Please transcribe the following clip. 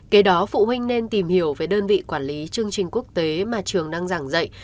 kế đó phụ huynh nên tìm hiểu về đơn vị quản lý chương trình quốc tế mà trường đang giảng dạy